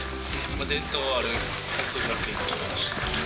伝統ある報徳学園に決めました。